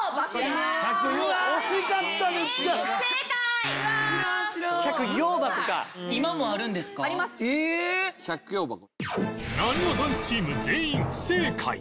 なにわ男子チーム全員不正解